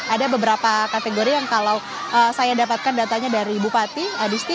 ada beberapa kategori yang kalau saya dapatkan datanya dari bupati